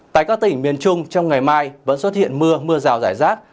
tại các tỉnh miền trung trong ngày mai vẫn xuất hiện mưa mưa rào rải rác